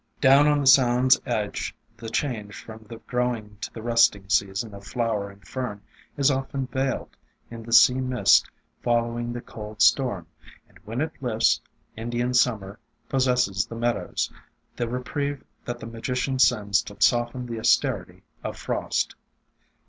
Down on the Sound's edge the change from the growing to the resting season of flower and fern is often veiled in the sea mist following the cold storm, and when it lifts, Indian Summer pos sesses the meadows, — the reprieve that the Ma gician sends to soften the austerity of frost.